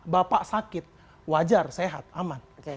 bapak sakit wajar sehat aman